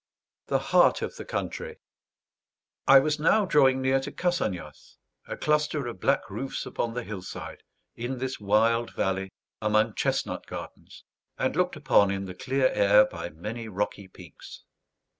THE HEART OF THE COUNTRY I was now drawing near to Cassagnas, a cluster of black roofs upon the hillside, in this wild valley, among chestnut gardens, and looked upon in the clear air by many rocky peaks.